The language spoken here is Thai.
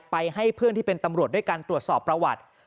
ให้เพื่อนที่เป็นตำรวจด้วยการตรวจสอบประวัติ